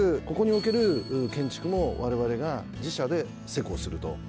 ここにおける建築もわれわれが自社で施工すると。